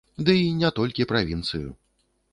Дый і не толькі правінцыю!